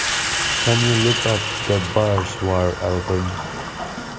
Can you look up the Bireswar album?